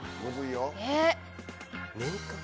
えっ。